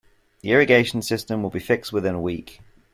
The irrigation system will be fixed within a week.